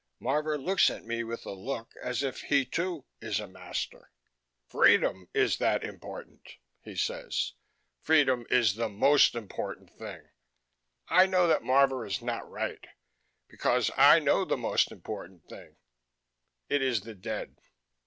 Marvor looks at me with a look as if he, too, is a master. "Freedom is that important," he says. "Freedom is the most important thing." I know that Marvor is not right, because I know the most important thing: it is the dead.